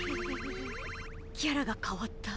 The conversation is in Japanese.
キャラが変わった。